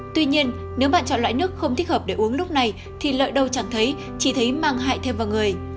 tuy nhiên nếu bạn chọn loại nước không thích hợp để uống lúc này thì lợi đâu chẳng thấy chỉ thấy mang hại thêm vào người